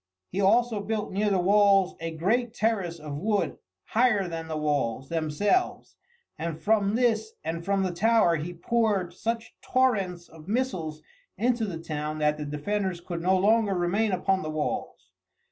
He also built near the walls a great terrace of wood higher than the walls themselves, and from this and from the tower he poured such torrents of missiles into the town that the defenders could no longer remain upon the walls.